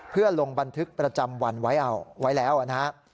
เพื่อลงบันทึกประจำวันไว้แล้วนะ